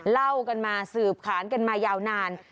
เล่ากันมาสืบขานกันมายาวนาน